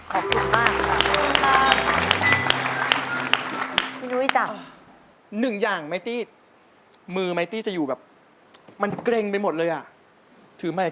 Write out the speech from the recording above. ขอบคุณมากขอบคุณมากขอบคุณมากขอบคุณมากขอบคุณมากขอบคุณมาก